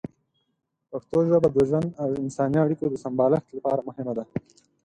پښتو ژبه د ژوند او انساني اړیکو د سمبالښت لپاره مهمه ده.